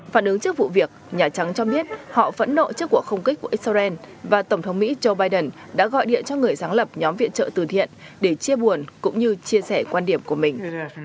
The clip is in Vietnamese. phản ứng trước vụ việc nhà trắng cho biết họ phẫn nộ trước cuộc không kích của israel và tổng thống mỹ joe biden đã gọi điện cho người sáng lập nhóm viện trợ từ thiện để chia buồn cũng như chia sẻ quan điểm của mình